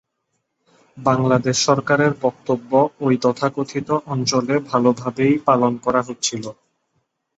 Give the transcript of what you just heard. বাংলাদেশ সরকারের বক্তব্য ঐ তথাকথিত অঞ্চলে ভালোভাবেই পালন করা হচ্ছিল।